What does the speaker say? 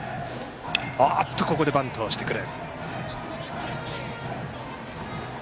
ここでバントをしてくる。